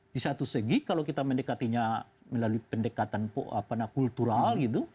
di satu segi kalau kita mendekatinya melalui pendekatan kultural gitu